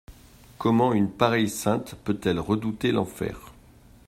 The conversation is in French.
Comment une pareille sainte peut-elle redouter l'enfer?